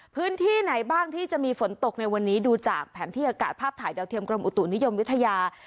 พื้นที่ไหนบ้างที่จะมีฝนตกในวันนี้ดูจากแผนที่อากาศภาพถ่ายดาวเทียมกรมอุตุนิยมวิทยา